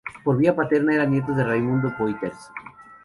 Por vía paterna era nieto de Raimundo de Poitiers.